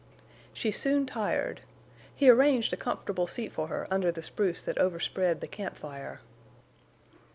She soon tired. He arranged a comfortable seat for her under the spruce that overspread the camp fire.